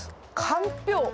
かんぴょう。